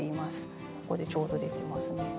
ここでちょうど出てますね。